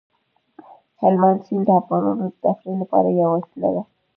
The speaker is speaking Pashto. هلمند سیند د افغانانو د تفریح لپاره یوه وسیله ده.